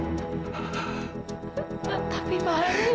tapi pak haris